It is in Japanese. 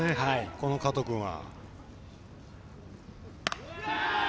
この加藤君は。